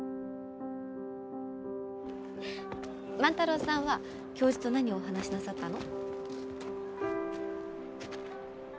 万太郎さんは教授と何をお話しなさったの？